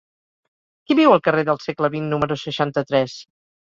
Qui viu al carrer del Segle XX número seixanta-tres?